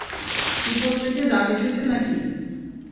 উপর থেকে ডাক এসেছে নাকি?